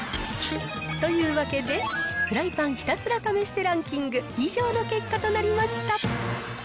というわけで、フライパンひたすら試してランキング、以上の結果となりました。